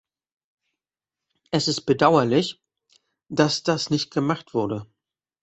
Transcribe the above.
Es ist bedauerlich, dass das nicht gemacht wurde.